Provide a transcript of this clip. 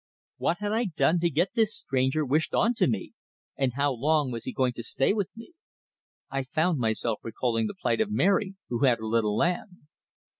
What had I done to get this stranger wished onto me? And how long was he going to stay with me? I found myself recalling the plight of Mary who had a little lamb!